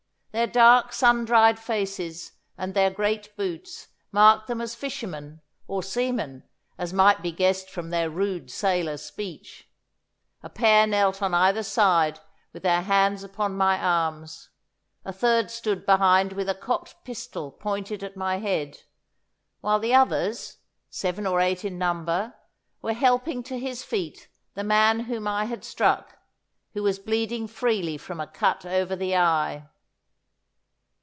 Their dark sun dried faces and their great boots marked them as fishermen or seamen, as might be guessed from their rude sailor speech. A pair knelt on either side with their hands upon my arms, a third stood behind with a cocked pistol pointed at my head, while the others, seven or eight in number, were helping to his feet the man whom I had struck, who was bleeding freely from a cut over the eye.